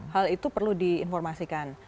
hal itu perlu diinformasikan